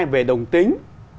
hai về đồng tính